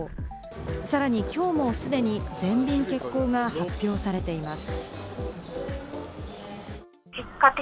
さらにきょうも既に全便欠航が発表されています。